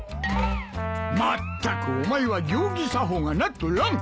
まったくお前は行儀作法がなっとらん。